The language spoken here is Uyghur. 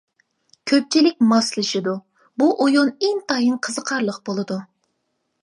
كۆپچىلىك ماسلىشىدۇ، بۇ ئويۇن ئىنتايىن قىزىقارلىق بولىدۇ.